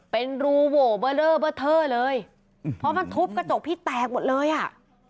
เป็นรูโหวเบอร์เลอร์เบอร์เทอร์เลยเพราะมันทุบกระจกพี่แตกหมดเลยอ่ะ